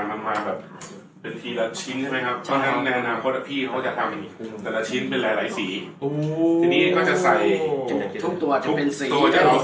มันมาแบบเป็นทีละชิ้นใช่ไหมครับ